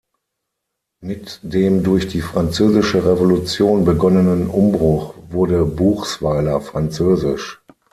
Mit dem durch die Französische Revolution begonnenen Umbruch wurde Buchsweiler französisch.